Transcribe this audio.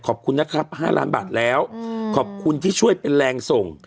ขอบคุณนะครับ๕ล้านบาทแล้วขอบคุณที่ช่วยเป็นแรงส่ง